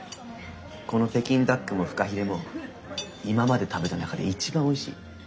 この北京ダックもフカヒレも今まで食べた中で一番おいしい。